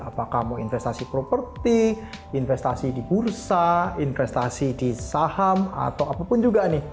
apakah mau investasi properti investasi di bursa investasi di saham atau apapun juga nih